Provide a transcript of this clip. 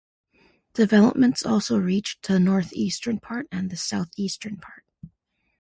Developments also reached the northeastern part and the southeastern part.